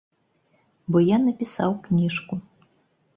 Бо я напісаў кніжку.